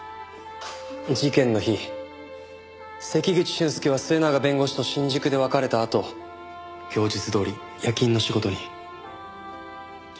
事件の日関口俊介は末永弁護士と新宿で別れたあと供述どおり夜勤の仕事に。